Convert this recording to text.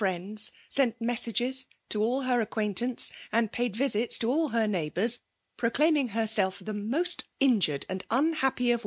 friends, sent messages to all her acquaintance,* and paid visits to all her neighbours, prodaim^ ing herself the most injured and unhappy of PBMALfi OOUIKATIOK.